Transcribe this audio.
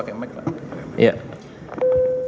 dan penasihat tugu